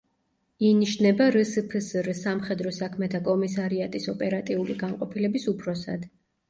ინიშნება რსფსრ სამხედრო საქმეთა კომისარიატის ოპერატიული განყოფილების უფროსად.